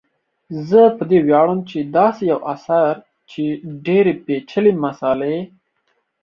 زه په دې ویاړم چي داسي یو اثر چي ډیري پیچلي مسالې